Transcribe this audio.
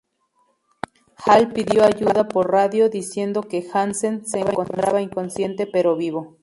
Hall pidió ayuda por radio, diciendo que Hansen se encontraba inconsciente pero vivo.